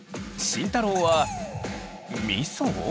慎太郎はみそ？